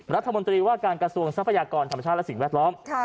รัฐมนตรีว่าการกระทรวงทรัพยากรธรรมชาติและสิ่งแวดล้อม